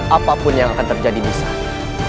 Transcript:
apapun yang akan terjadi di sana